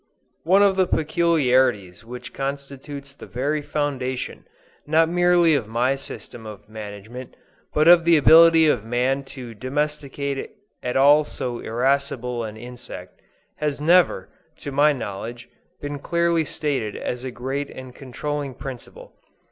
One of the peculiarities which constitutes the very foundation, not merely of my system of management, but of the ability of man to domesticate at all so irascible an insect, has never, to my knowledge, been clearly stated as a great and controlling principle.